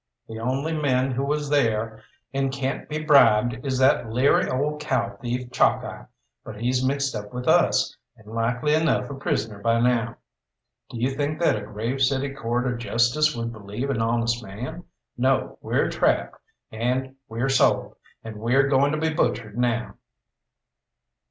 The only man who was there and can't be bribed is that leary old cow thief Chalkeye, but he's mixed up with us, and likely enough a prisoner by now. Do you think that a Grave City court of justice would believe an honest man? No, we're trapped, and we're sold, and we're going to be butchered now."